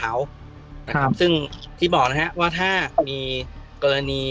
สุดท้ายก็ไม่มีทางเลือกที่ไม่มีทางเลือก